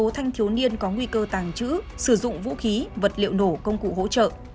tàng trữ sử dụng vũ khí vật liệu nổ công cụ hỗ trợ